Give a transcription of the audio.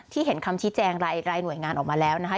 เห็นคำชี้แจงรายหน่วยงานออกมาแล้วนะคะ